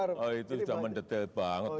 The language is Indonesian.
oh itu sudah mendetail banget